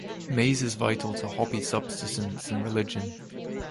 Maize is vital to Hopi subsistence and religion.